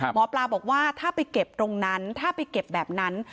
หมอปลาบอกว่าถ้าไปเก็บตรงนั้นถ้าไปเก็บแบบนั้น